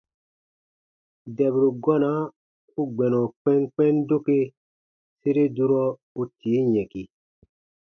Dɛburu gɔna u gbɛnɔ kpɛnkpɛn doke sere durɔ u tii yɛ̃ki.